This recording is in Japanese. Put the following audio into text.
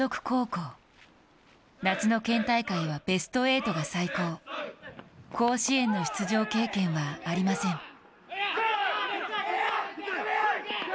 高校夏の県大会はベスト８が最高、甲子園の出場経験はありません。